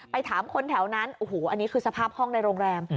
ถามคนแถวนั้นโอ้โหอันนี้คือสภาพห้องในโรงแรม